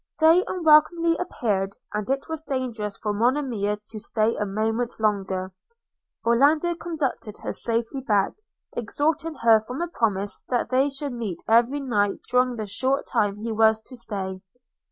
Day unwelcomely appeared, and it was dangerous for Monimia to stay a moment longer. – Orlando conducted her safely back, extorting from her a promise that they should meet every night during the short time he was to stay.